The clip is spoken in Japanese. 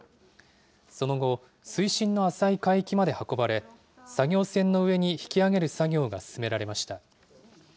その後、水深の浅い海域まで運ばれ、作業船の上に引き揚げる作業が進められました。